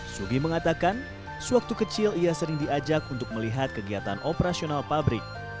subi mengatakan sewaktu kecil ia sering diajak untuk melihat kegiatan operasional pabrik